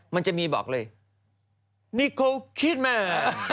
มันจะมีบอกเลยนี่กูคิดมา